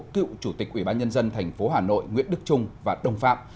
cựu chủ tịch ủy ban nhân dân tp hà nội nguyễn đức trung và đồng phạm